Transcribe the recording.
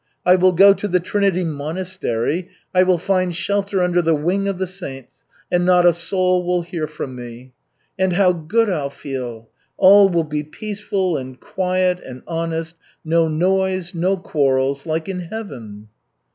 I will go to the Trinity Monastery, I will find shelter under the wing of the saints, and not a soul will hear from me. And how good I'll feel! All will be peaceful and quiet and honest; no noise, no quarrels like in Heaven."